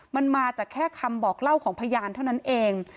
มันมาจากแค่คำบอกเล่าของพยานเท่านั้นเอง